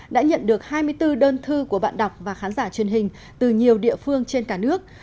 đã nhận được hai mươi bốn đơn thư của bạn đọc và khán giả truyền hình từ nhiều địa phương trên cả nước